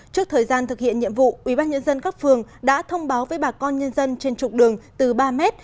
trước thời gian thực hiện nhiệm vụ ubnd các phường đã thông báo với bà con nhân dân trên trục đường từ ba mét